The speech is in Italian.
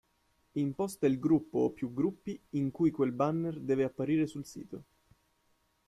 Imposta il gruppo o più gruppi in cui quel banner deve apparire sul sito.